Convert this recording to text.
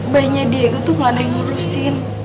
bayinya diego tuh gak ada yang ngurusin